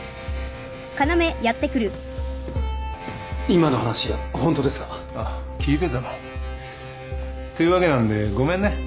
・今の話ほんとですか？あっ聞いてたの？というわけなんでごめんね。